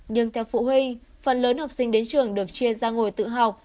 nhưng theo phụ huynh phần lớn học sinh đến trường được chia ra ngồi tự học